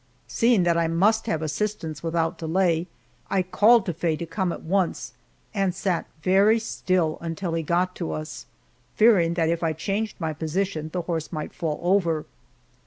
Seeing that I must have assistance without delay, I called to Faye to come at once, and sat very still until he got to us, fearing that if I changed my position the horse might fall over.